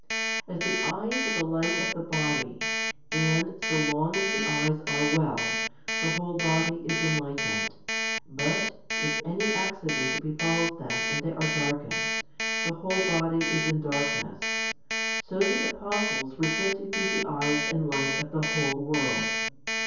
As the eyes are the light of the body, and, so long as the eyes are well, the whole body is enlightened, but, if any accident befalls them and they are darkened, the whole body is in darkness, so the apostles were set to be the eyes and light of the whole world.